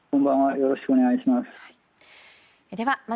よろしくお願いします。